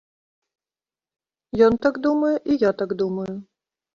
Ён так думае, і я так думаю.